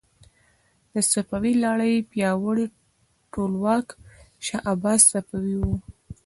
د صفوي لړۍ پیاوړی ټولواک شاه عباس صفوي و.